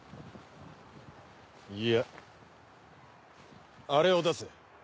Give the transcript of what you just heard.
いやあれを出せ。